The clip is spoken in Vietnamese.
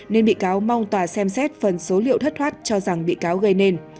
nên bị cáo mong tòa xem xét phần số liệu thất thoát cho rằng bị cáo gây nên